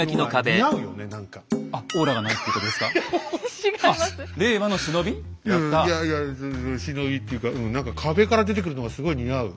いやいや忍びっていうかうん何か壁から出てくるのがすごい似合う。